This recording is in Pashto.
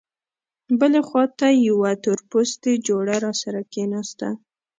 بلې خوا ته یوه تورپوستې جوړه راسره کېناسته.